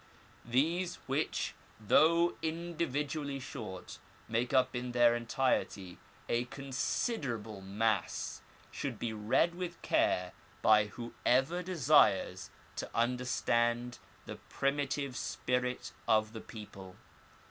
These, which, though individually short, make up in their entirety a considerable mass, should be read with care by whoever desires to understand the primitive spirit of the people.